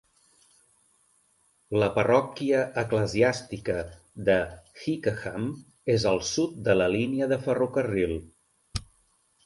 La parròquia eclesiàstica de Hykeham és al sud de la línia de ferrocarril.